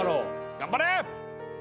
頑張れ！